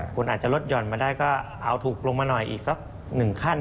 คุณอาจจะลดหย่อนมาได้ก็เอาถูกลงมาหน่อยอีกสักหนึ่งขั้น